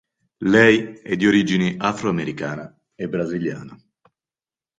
Lei è di origini afro-americana e brasiliana.